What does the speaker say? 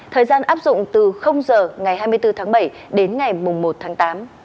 thời gian áp dụng từ giờ ngày hai mươi bốn tháng bảy đến ngày một tháng tám